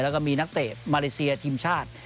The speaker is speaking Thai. แล้วก็มีนักเตะมาเลเซียทีมชาติ